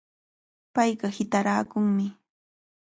Payqa hitaraakunmi.